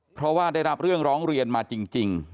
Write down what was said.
เพราะว่าได้รับเรื่องร้องเรียนมาจริง